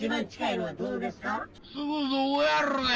すぐそこやろがい！